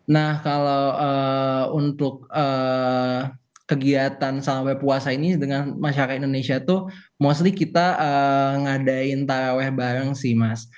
nah kalau untuk kegiatan sampai puasa ini dengan masyarakat indonesia tuh mostly kita ngadain taraweh bareng sih mas